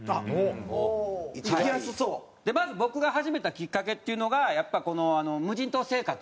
まず僕が始めたきっかけっていうのがやっぱこの『無人島生活』。